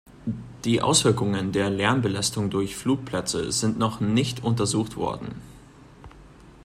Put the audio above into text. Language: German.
Die Auswirkungen der Lärmbelastung durch Flugplätze sind noch nicht untersucht worden.